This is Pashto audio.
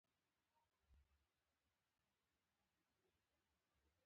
کوربه که په خواشینۍ وي، هم ادب کوي.